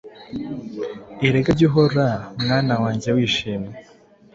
Erega jya uhora mwana wanjye wishimye.